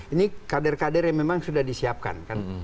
ini kader kader yang memang sudah disiapkan